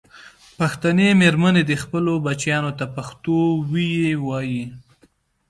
پښتنې مېرمنې دې خپلو بچیانو ته پښتو ویې ویي.